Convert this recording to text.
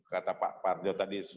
kata pak fardyot tadi